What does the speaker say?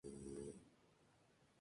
El arpón sería el último recurso.